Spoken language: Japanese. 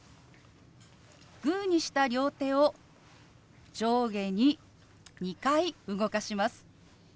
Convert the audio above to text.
グーにした両手を上下に２回動かします。